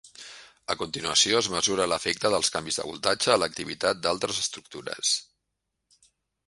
A continuació, es mesura l'efecte dels canvis de voltatge a l'activitat d'altres estructures.